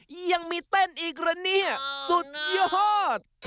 เฮ่ยยังมีเต้นอีกเหรอนี่สุดยอด